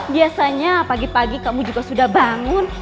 biasanya pagi pagi kamu juga sudah bangun